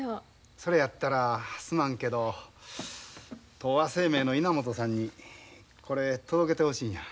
それやったらすまんけど東和生命の稲本さんにこれ届けてほしいんや。